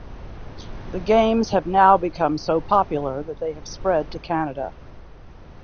The games have now become so popular that they have spread to Canada.